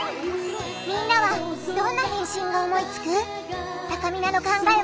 みんなはどんな返信を思いつく？